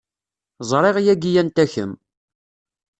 Ẓriɣ yagi anta kemm.